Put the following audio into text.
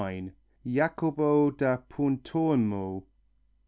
Jacopo da Puntormo.